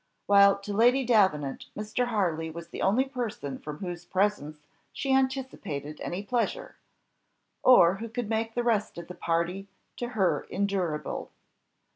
" while to Lady Davenant Mr. Harley was the only person from whose presence she anticipated any pleasure, or who could make the rest of the party to her endurable.